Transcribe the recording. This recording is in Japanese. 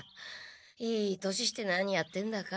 いい年して何やってんだか。